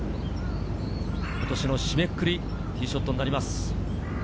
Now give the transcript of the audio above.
今年の締めくくりのティーショットになります。